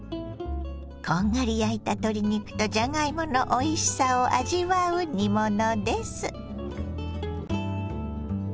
こんがり焼いた鶏肉とじゃがいものおいしさを味わう煮物です。